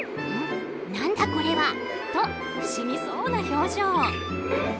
何だこれは？と不思議そうな表情。